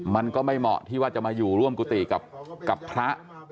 มันก็ไม่เหมาะที่ว่าจะมาอยู่ร่วมกุฏิกับพระ